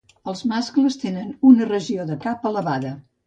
Els mascles tenen una regió de cap elevada.